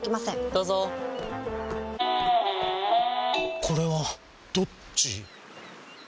どうぞこれはどっち？